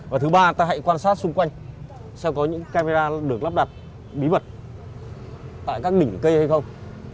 và thứ ba ta hãy quan sát xung quanh xem có những camera được lắp đặt bí vật tại các đỉnh cây hay không